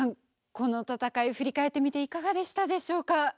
この戦い振り返ってみていかがでしたでしょうか？